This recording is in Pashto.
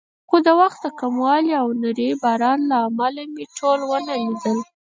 خو د وخت د کموالي او نري باران له امله مې ټول ونه لیدل.